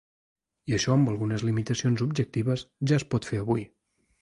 I això, amb algunes limitacions objectives, ja es pot fer avui.